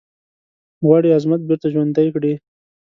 غواړي عظمت بیرته ژوندی کړی.